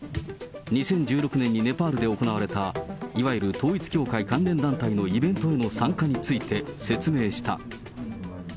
２０１６年にネパールで行われた、いわゆる統一教会関連団体のイベントへの参加について説明した。